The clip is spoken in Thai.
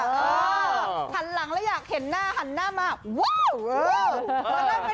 เออถันหลังแล้วอยากเห็นหน้าถันหน้ามาว้าวว้าว